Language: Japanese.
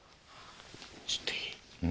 ちょっといい？